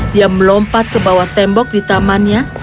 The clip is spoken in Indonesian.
dia melompat ke bawah tembok di tamannya